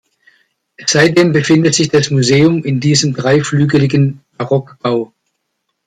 Seitdem befindet sich das Museum in diesem dreiflügeligen Barockbau.